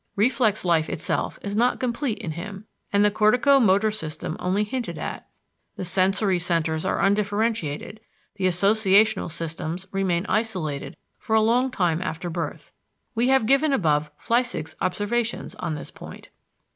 Reflex life itself is not complete in him, and the cortico motor system only hinted at; the sensory centers are undifferentiated, the associational systems remain isolated for a long time after birth. We have given above Flechsig's observation on this point.